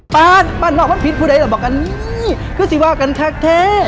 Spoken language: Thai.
ปานหน้าบ้านพิชภูเดชแล้วบอกกันนี่คือสิวากันแทคแท